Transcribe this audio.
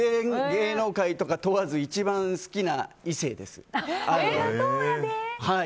芸能界とか問わずに一番好きな異性です。